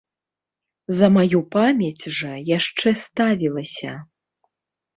За маю памяць жа яшчэ ставілася.